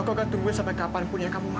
aku akan tungguin sampai kapanpun yang kamu mau